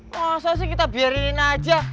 masa sih kita biarin aja